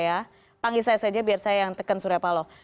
ya panggil saya saja biar saya yang tekan surya paloh